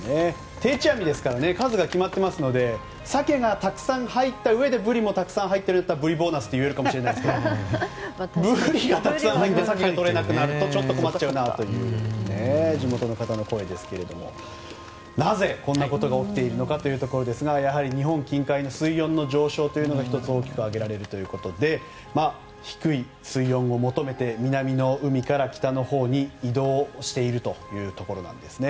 定置網ですから数が決まっていますのでサケがたくさん入ったうえでブリもたくさん入っているといったらブリボーナスといえるかもしれませんがブリがたくさん入ってサケがとれなくなるのは困っちゃうという地元の方の声ですけれどもなぜこんなことが起きているのかというところですが日本近海の水温の上昇が１つ、大きく挙げられるということで低い水温を求めて南の海から北のほうに移動しているというところです。